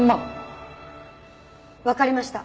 わかりました。